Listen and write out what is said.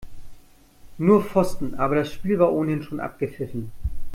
Nur Pfosten, aber das Spiel war ohnehin schon abgepfiffen.